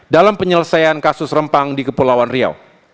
dalam penyelesaian kasus rempang di kepulauan riau